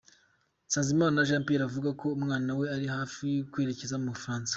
Nsanzimana Jean Pierre, avuga ko umwana we ari hafi kwerekeza mu Bufaransa.